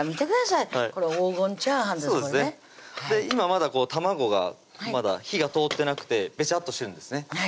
今まだ卵が火が通ってなくてベチャッとしてるんですね